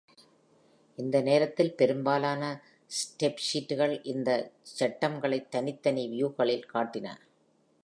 அந்த நேரத்தில், பெரும்பாலான ஸ்ப்ரெட்ஷீட்கள் இந்த ஐட்டம்களை தனித்தனி வியூ-களில் காட்டின.